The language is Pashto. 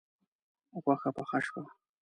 غوښه پخه شوه